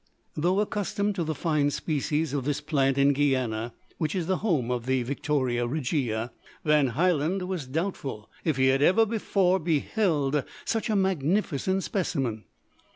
Though accustomed to the fine species of this plant in Guiana which is the home of the Victoria Regia Van Hielen was doubtful if he had ever before beheld such a magnificent specimen.